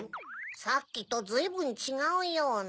さっきとずいぶんちがうような。